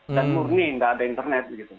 dan murni tidak ada internet